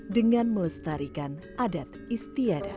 dengan melestarikan adat istiadah